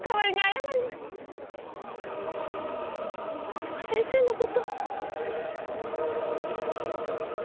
本間先生のこと。